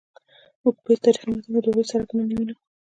موږ په هیڅ تاریخي متن کې د هغوی څرک نه وینو.